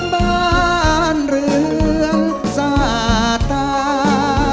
บ้านเรือนสาตา